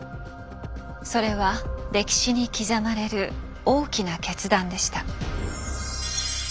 それは歴史に刻まれる大きな決断でした。